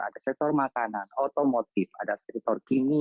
ada sektor makanan otomotif ada sektor kimi